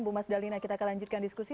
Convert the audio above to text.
bu mas dalina kita akan lanjutkan diskusi